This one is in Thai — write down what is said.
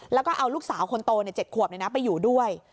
แล้วก็เอาลูกสาวคนโต๗ขวบไปอยู่ด้วย